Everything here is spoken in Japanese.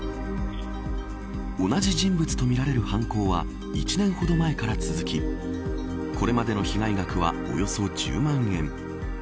同じ人物とみられる犯行は１年ほど前から続きこれまでの被害額はおよそ１０万円。